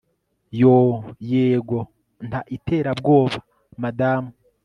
Yoo yego nta iterabwoba madamu